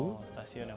oh stasiun ya